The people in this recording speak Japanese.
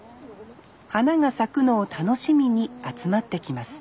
花が咲くのを楽しみに集まってきます